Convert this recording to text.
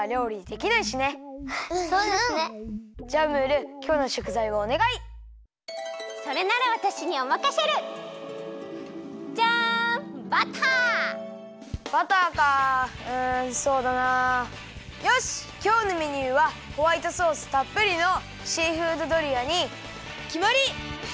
きょうのメニューはホワイトソースたっぷりのシーフードドリアにきまり！